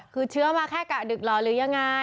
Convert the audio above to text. คือเชื้อมาแค่กะดึกหล่อหรือยังไง